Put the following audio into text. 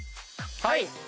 はい。